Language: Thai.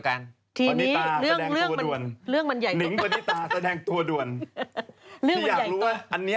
ตอนนี้นิ้งบฏิตาแสดงตัวดุล